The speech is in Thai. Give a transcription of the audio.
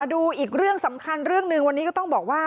ดูอีกเรื่องสำคัญเรื่องหนึ่งวันนี้ก็ต้องบอกว่า